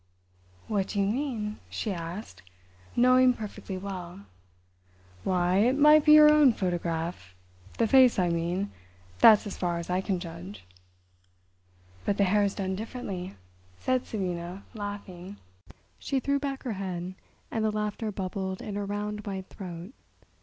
"What do you mean?" she asked, knowing perfectly well. "Why, it might be your own photograph—the face, I mean—that's as far as I can judge." "But the hair's done differently," said Sabina, laughing. She threw back her head, and the laughter bubbled in her round white throat.